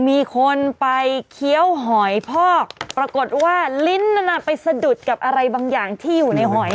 มีคนไปเคี้ยวหอยพอกปรากฏว่าลิ้นนั้นไปสะดุดกับอะไรบางอย่างที่อยู่ในหอย